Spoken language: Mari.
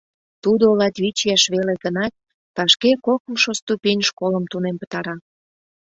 Тудо латвич ияш веле гынат, вашке кокымшо ступень школым тунем пытара.